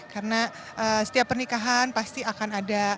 karena setiap pernikahan pasti akan ada yang berdoa